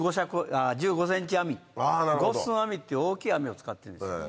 １５ｃｍ網５寸網っていう大きい網を使ってるんですよ。